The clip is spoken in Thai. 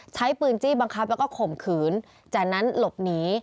ใช้ปืนจี้บังคับแล้วก็ข่มขืนจากนั้นหลบหนี